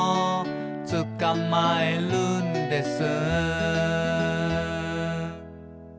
「つかまえるんです」